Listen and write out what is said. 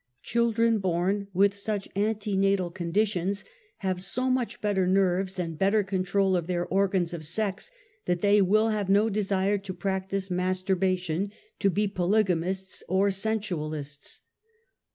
Children born with such antenatal conditions have so muc h bette r nerves, and better control of their organs of sex, that they will have no desire to practice masturbation, to be polygamists, or sensualists.